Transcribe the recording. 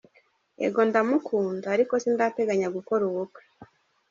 yego ndamukunda ariko sindateganya gukora ubukwe.